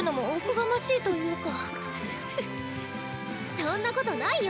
そんなことないよ！